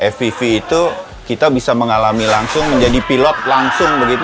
fv itu kita bisa mengalami langsung menjadi pilot langsung begitu